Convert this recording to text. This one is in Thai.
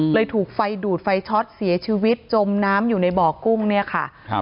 ถูกไฟดูดไฟช็อตเสียชีวิตจมน้ำอยู่ในบ่อกุ้งเนี่ยค่ะครับ